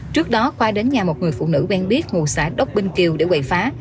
trước đó khoa đến nhà một người phụ nữ bên biết ngồi xã đốc binh kiều để quậy phá